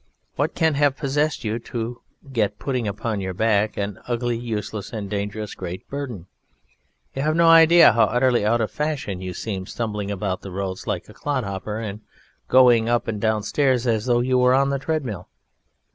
What can have possessed you to get putting upon your back an ugly, useless, and dangerous great Burden! You have no idea how utterly out of fashion you seem, stumbling about the roads like a clodhopper, and going up and downstairs as though you were on the treadmill....